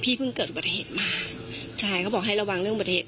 เพิ่งเกิดอุบัติเหตุมาใช่เขาบอกให้ระวังเรื่องอุบัติเหตุ